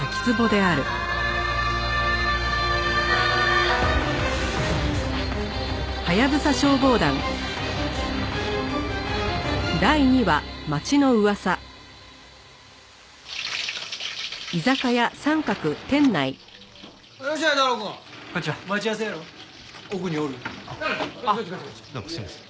あっどうもすいません。